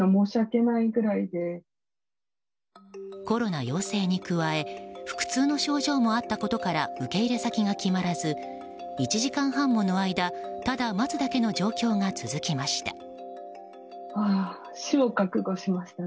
コロナ陽性に加え腹痛の症状もあったことから受け入れ先が決まらず１時間半もの間ただ待つだけの状況が続きました。